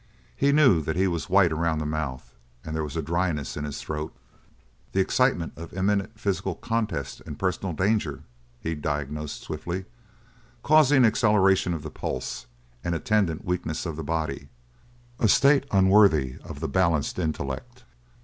He knew that he was white around the mouth, and there was a dryness in his throat. "The excitement of imminent physical contest and personal danger," he diagnosed swiftly, "causing acceleration of the pulse and attendant weakness of the body a state unworthy of the balanced intellect."